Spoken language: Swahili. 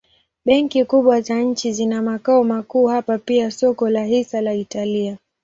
Benki kubwa za nchi zina makao makuu hapa pia soko la hisa la Italia.